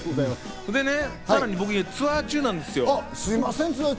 さらに僕、今、ツアー中なんですよ。